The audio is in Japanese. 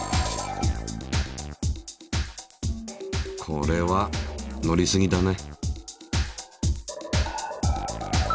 これは乗りすぎだね。